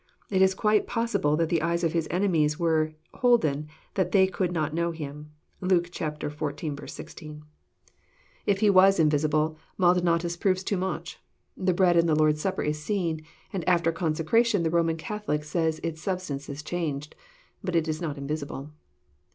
It is quite possible that the eyes of His enemies were holden that they could not know Him." (Luke xxiv. 16.) I^ He 134 EXPOSITORY THOUGHTS. was invisible, Maldonatus proves too much. The bread in the Lord's Supper is seen, and after consecration the Roman Cath olic says its substance is changed. Bnt it is not invisible.